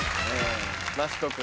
益子君。